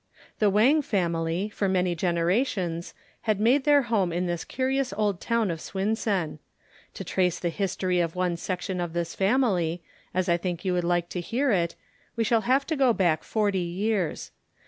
The Wang family, for many generations, had made their home in this curious old town of Swinsen. To trace the history of one section of this family, as I think you would like to hear it, we shall have to go back forty years.